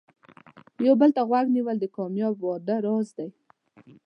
یو بل ته غوږ نیول د کامیاب واده راز دی.